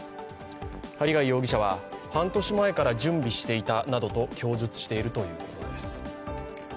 針谷容疑者は半年前から準備していたなどと供述しているということです。